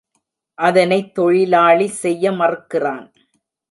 அதனைத் தொழிலாளி செய்ய மறுக்கிறான்.